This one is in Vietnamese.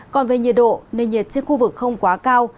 còn về nhiệt độ nền nhiệt trên khu vực không quá cao